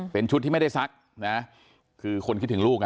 เป็นชุดที่ไม่ได้ซักนะคือคนคิดถึงลูกอ่ะ